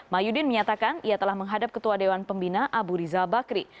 mahyudin menyatakan ia telah menghadap ketua dewan pembina abu rizal bakri